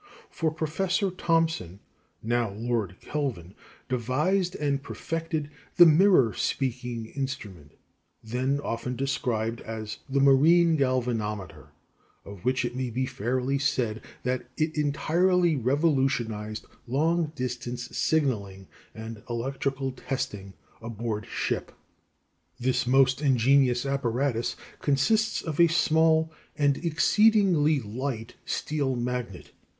For Professor Thomson (now Lord Kelvin) devised and perfected the mirror speaking instrument, then often described as the marine galvanometer, of which it may be fairly said that it entirely revolutionized long distance signaling and electrical testing aboard ship. This most ingenious apparatus consists of a small and exceedingly light steel magnet (a) (Fig.